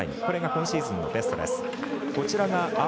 これが今シーズンのベストです。